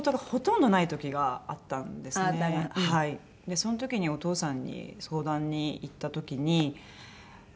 その時にお義父さんに相談に行った時に。